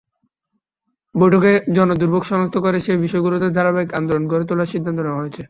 বৈঠকে জনদুর্ভোগ শনাক্ত করে সেই বিষয়গুলোতে ধারাবাহিক আন্দোলন গড়ে তোলার সিদ্ধান্ত নেওয়া হয়েছে।